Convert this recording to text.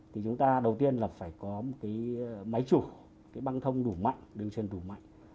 thì chúng ta đầu tiên phải có máy chủ băng thông đủ mạnh đường trên đủ mạnh